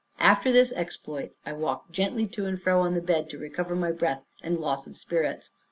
After this exploit, I walked gently to and fro on the bed, to recover my breath and loss of spirits.